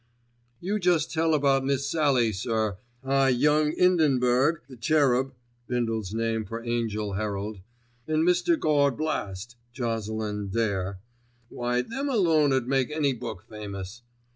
"You jest tell about Miss Sallie, sir, ah' Young 'Indenburg, the Cherub (Bindle's name for Angell Herald), an' Mr. Gawd Blast (Jocelyn Dare); why them alone 'ud make any book famous.